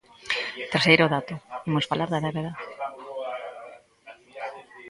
Terceiro dato: imos falar da débeda.